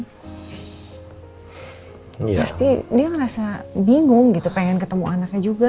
pasti dia ngerasa bingung gitu pengen ketemu anaknya juga